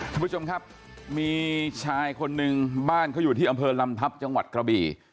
คุณผู้ชมครับมีชายคนนึงบ้านเขาอยู่ที่อำเภอลำทัพจังหวัดกระบี่